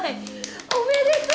おめでとう！